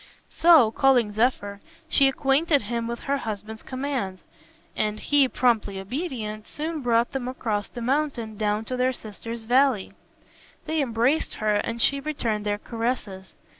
So, calling Zephyr, she acquainted him with her husband's commands, and he, promptly obedient, soon brought them across the mountain down to their sister's valley. They embraced her and she returned their caresses.